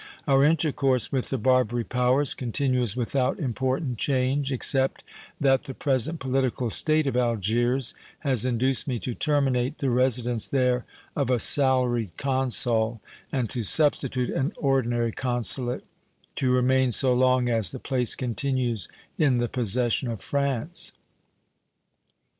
Our intercourse with the Barbary Powers continues without important change, except that the present political state of Algiers has induced me to terminate the residence there of a salaried consul and to substitute an ordinary consulate, to remain so long as the place continues in the possession of France.